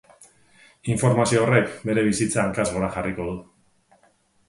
Informazio horrek bere bizitza hankaz gora jarriko du.